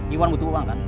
iwan butuh uang kan